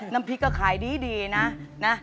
น้ำพริกก็ขายดีนะนะ